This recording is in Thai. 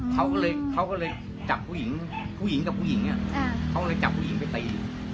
เค้าก็เลยจับผู้หญิงผู้หญิงจับผู้หญิงเนี่ยเค้าก็เลยจับผู้หญิงไปตี